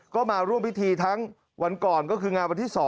ก็มาร่วมพิธีทั้งวันก่อนก็คืองานวันที่๒